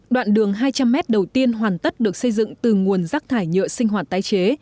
đoạn đường hai trăm linh m đầu tiên hoàn tất được xây dựng từ nguồn rác thải nhựa sinh hoạt tái chế